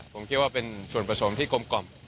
ผมคิดว่าเป็นส่วนผสมที่กลมกล่อม